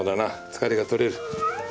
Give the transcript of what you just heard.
疲れが取れる。